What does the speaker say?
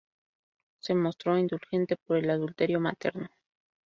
Se mostró indulgente por el adulterio materno.